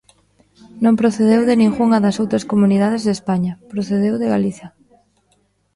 Non procedeu de ningunha das outras comunidades de España, procedeu de Galicia.